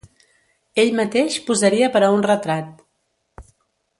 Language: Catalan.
Ell mateix posaria per a un retrat.